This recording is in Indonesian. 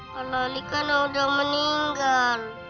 kalau li kan udah meninggal